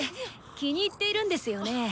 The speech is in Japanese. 気に入っているんですよね？